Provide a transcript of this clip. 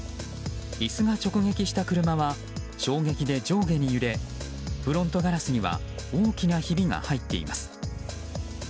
椅子が直撃した車は衝撃で上下に揺れフロントガラスには大きなひびが入っています。